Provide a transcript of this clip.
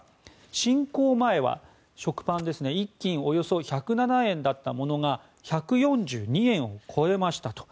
侵攻前は食パン１斤がおよそ１０７円だったものが１４２円を超えましたと。